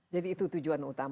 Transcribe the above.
jadi itu tujuan utamanya ya